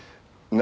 何？